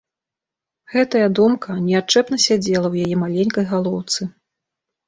Гэтая думка неадчэпна сядзела ў яе маленькай галоўцы.